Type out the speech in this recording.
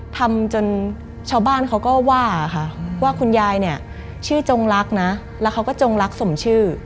ทำจนชาวบ้านเขาก็ว่าค่ะว่าคุณยายเนี่ยชื่อจงรักนะแล้วเขาก็จงรักสมชื่อ